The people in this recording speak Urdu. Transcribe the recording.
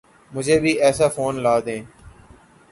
مجھے بھی ایسا فون لا دیں